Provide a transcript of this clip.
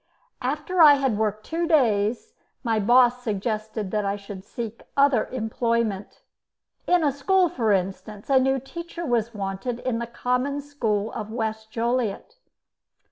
After I had worked two days my boss suggested that I should seek other employment in a school, for instance; a new teacher was wanted in the common school of West Joliet.